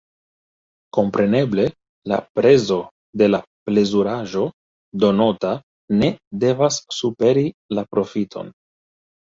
Kompreneble, la prezo de la plezuraĵo donota ne devas superi la profiton.